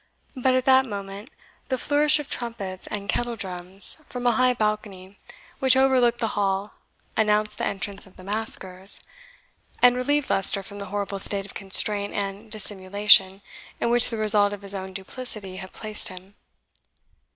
But at that moment the flourish of trumpets and kettle drums from a high balcony which overlooked the hall announced the entrance of the maskers, and relieved Leicester from the horrible state of constraint and dissimulation in which the result of his own duplicity had placed him.